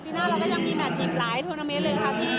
ปีหน้าเราก็ยังมีมาทอีกหลายเทอร์โนเทอร์เมสเลยครับ